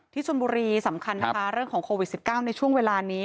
ชนบุรีสำคัญนะคะเรื่องของโควิด๑๙ในช่วงเวลานี้